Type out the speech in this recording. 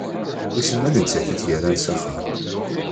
Wissen ma d nettat i t-yerran s axxam.